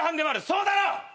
そうだろ！？